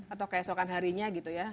atau keesokan harinya gitu ya